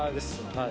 はい。